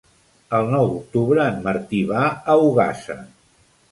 El nou d'octubre en Martí va a Ogassa.